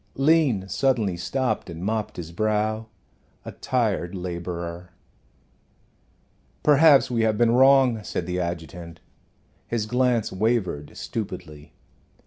Lean suddenly stopped and mopped his brow a tired laborer. "Perhaps we have been wrong," said the adjutant. His glance wavered stupidly.